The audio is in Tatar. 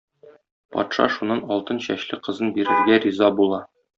Патша шуннан алтын чәчле кызын бирергә риза була.